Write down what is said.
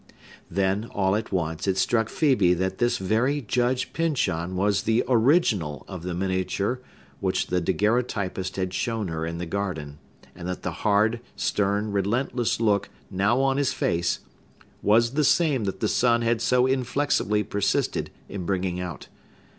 Then, all at once, it struck Phœbe that this very Judge Pyncheon was the original of the miniature which the daguerreotypist had shown her in the garden, and that the hard, stern, relentless look, now on his face, was the same that the sun had so inflexibly persisted in bringing out.